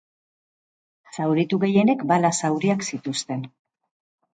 Zauritu gehienek bala-zauriak zituzten.